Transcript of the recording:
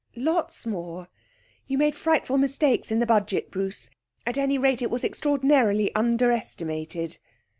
'Lots more. You made frightful mistakes in the Budget, Bruce; at any rate, it was extraordinarily under estimated.'